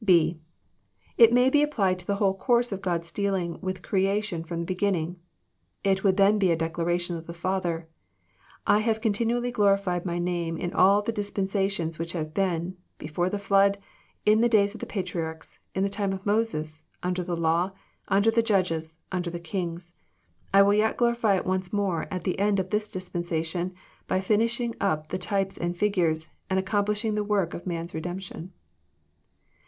(b) It may be applied to the whole course of God's dealings with creation from the beginning. It would then be a declara tion of the Father: I have continually glorified my name in all the dispensations which have been, — before the flood, In the days of the patriarchs, in the time of Moses, under the law, under the judges, under the kings. I will yet glorify it once more at the end of this dispensation, by finishing up the types and figures, and accomplishing the work of man's redemp tion."